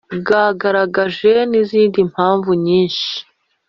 bwagaragaje n’izindi mpamvu nyinshi